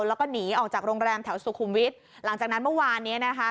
แล้วก็หนีออกจากโรงแรมแถวสุขุมวิทย์หลังจากนั้นเมื่อวานนี้นะคะ